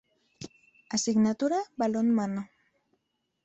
Asignatura: Balonmano.